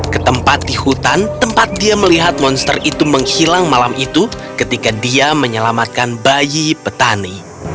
ketempat di hutan tempat dia melihat monster itu menghilang malam itu ketika dia menyelamatkan bayi petani